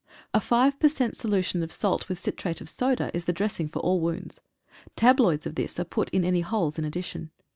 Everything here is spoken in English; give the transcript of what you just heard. A five per cent solution of salt with citrate of soda is the 86 A GREAT DISCOVERY. dressing for all wounds. Tabloids of this are put in any holes in addition.